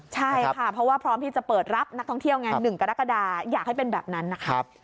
ใช่ค่ะเพราะว่าพร้อมที่จะเปิดรับนักท่องเที่ยวไง๑กรกฎาอยากให้เป็นแบบนั้นนะครับ